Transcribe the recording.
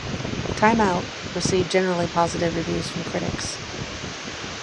"Time Out" received generally positive reviews from critics.